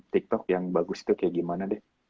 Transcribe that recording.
tiktok yang bagus itu kayak gimana deh